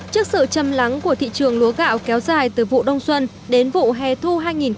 trước sự châm lắng của thị trường lúa gạo kéo dài từ vụ đông xuân đến vụ hè thu hai nghìn hai mươi